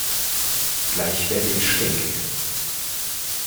Gleich werde ich stinkig!